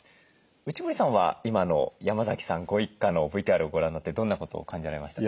内堀さんは今の山崎さんご一家のＶＴＲをご覧になってどんなことを感じられましたか？